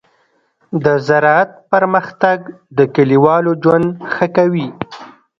د زراعت پرمختګ د کليوالو ژوند ښه کوي.